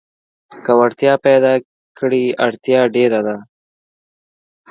که وړتيا پيداکړې اړتيا ډېره ده.